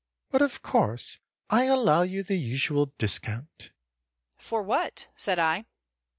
"But of course I allow you the usual discount." "For what?" said I.